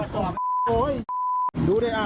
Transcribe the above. คนเข้ามาดูอ่ะเนี่ยอ่า